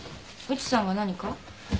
内さんが何か？